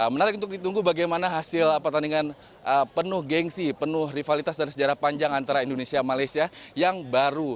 menarik untuk ditunggu bagaimana hasil pertandingan penuh gengsi penuh rivalitas dan sejarah panjang antara indonesia malaysia yang baru